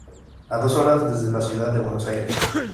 A dos horas desde la ciudad de Buenos Aires.